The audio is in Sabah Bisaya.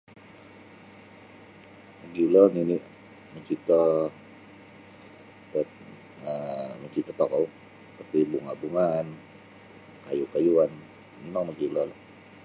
Mogilo nini makito um makito tokou seperti bunga-bungaan kayu-kayuan memang mogilo lah.